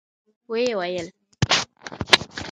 و يې ويل.